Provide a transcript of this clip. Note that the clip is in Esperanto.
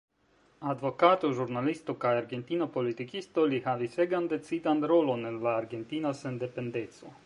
Advokato, ĵurnalisto kaj argentina politikisto, li havis egan decidan rolon en la Argentina Sendependeco.